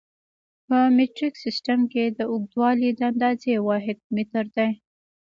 په مټریک سیسټم کې د اوږدوالي د اندازې واحد متر دی.